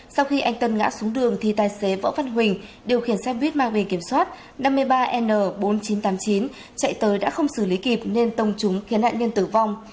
sau khi anh tân ngã xuống đường thì tài xế võ văn huỳnh điều khiển xe buýt mang bề kiểm soát năm mươi ba n bốn nghìn chín trăm tám mươi chín chạy tới đã không xử lý kịp nên tông trúng khiến nạn nhân tử vong